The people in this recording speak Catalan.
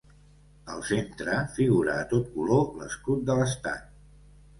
Al centre figura a tot color l'escut de l'estat.